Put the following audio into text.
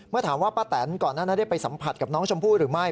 ถามว่าป้าแตนก่อนหน้านั้นได้ไปสัมผัสกับน้องชมพู่หรือไม่